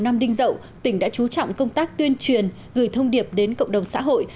năm đinh dậu tỉnh đã chú trọng công tác tuyên truyền gửi thông điệp đến cộng đồng xã hội